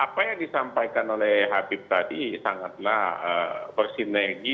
apa yang disampaikan oleh habib tadi sangatlah bersinergi